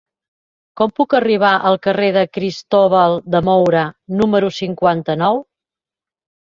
Com puc arribar al carrer de Cristóbal de Moura número cinquanta-nou?